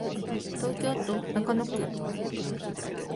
東京都中野区